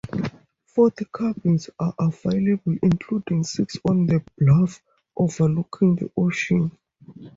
Forty cabins are available, including six on the bluff overlooking the ocean.